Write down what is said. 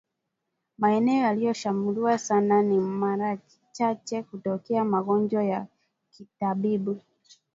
Maeneo yalioshambuliwa sana ni marachache kutokea magonjwa ya kitabibu